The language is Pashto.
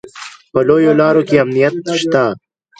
په لویو لارو کې امنیت شته